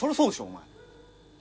お前。